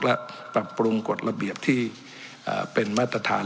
และปรับปรุงกฎระเบียบที่เป็นมาตรฐาน